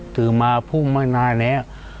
ถือมาพุ่งไม่นานแล้ว